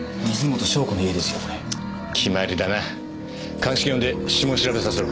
鑑識呼んで指紋調べさせろ。